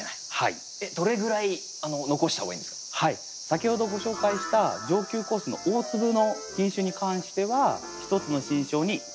先ほどご紹介した上級コースの大粒の品種に関しては１つの新梢に１房。